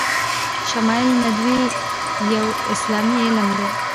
شمایل ندوی یو اسلامي علم ده